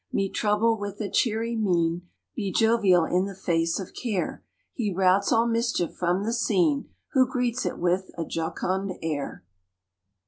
Meet trouble with a cheery mien, Be jovial in the face of care He routs all mischief from the scene Who greets it with a jocund air.